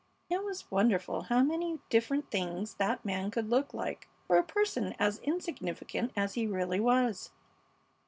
It was wonderful how many different things that man could look like for a person as insignificant as he really was!